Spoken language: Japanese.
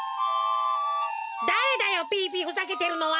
だれだよピーピーふざけてるのは！